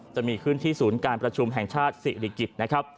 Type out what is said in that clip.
จะมีขึ้นที่ศูนย์การประชุมแห่งชาติศิริกิจนะครับ